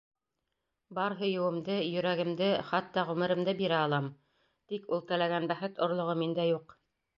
Бар һөйөүемде, йөрәгемде, хатта ғүмеремде бирә алам, тик... ул теләгән бәхет орлоғо миндә юҡ.